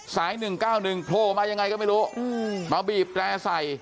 ๑๙๑โผล่มายังไงก็ไม่รู้มาบีบแตร่ใส่